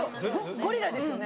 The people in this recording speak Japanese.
ゴリラですよね？